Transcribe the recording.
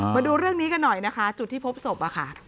มาดูเรื่องนี้กันหน่อยนะคะจุดที่พบศพอะค่ะ